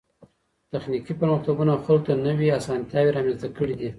تخنيکي پرمختګونو خلګو ته نوې اسانتياوې رامنځته کړې دي.